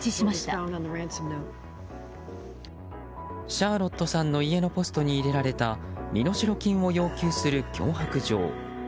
シャーロットさんの家のポストに入れられた身代金を要求する脅迫状。